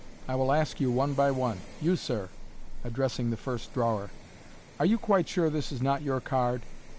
I will ask you one by one. You, sir," addiessing the first drawer, " are you quite sure this is not your card